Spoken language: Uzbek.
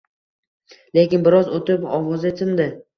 Lekin biroz oʻtib, ovozi tindi